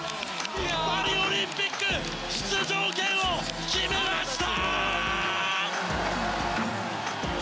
パリオリンピック出場権を決めました！